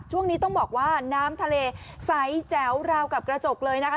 ช่วงนี้ต้องบอกว่าน้ำทะเลใสแจ๋วราวกับกระจกเลยนะคะ